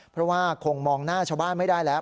เพราะว่าคงมองหน้าชาวบ้านไม่ได้แล้ว